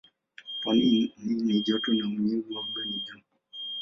Pwani ni joto na unyevu anga ni juu.